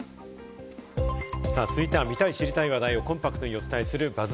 続いては見たい知りたい話題をコンパクトにお伝えするＢＵＺＺ